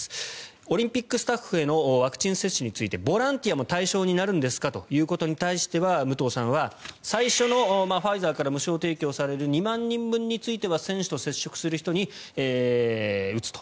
オリンピックスタッフへのワクチン接種についてボランティアも対象になるんですかということに対しては武藤さんは、最初からファイザーから無償提供される２万人分については選手と接触する人に打つと。